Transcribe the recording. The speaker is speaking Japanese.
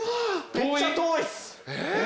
めっちゃ遠いっす。